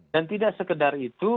dan tidak sekedar itu